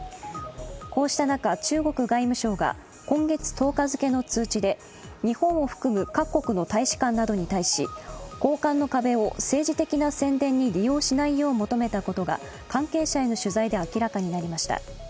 こうした中、中国外務省が今月１０日付の通知で日本を含む各国の大使館などに対し公館の壁を政治的な宣伝に利用しないよう求めたことが関係者への取材で明らかになりました。